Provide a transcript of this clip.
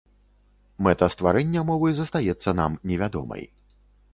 Мэта стварэння мовы застаецца нам невядомай.